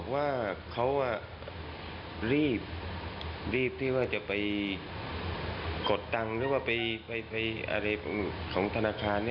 ว่ามาเลยไม่ได้ก็ประคองรถได้แค่นั้น